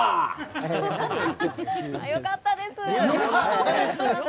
良かったです。